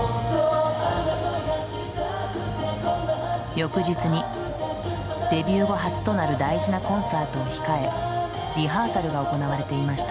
翌日にデビュー後初となる大事なコンサートを控えリハーサルが行われていました。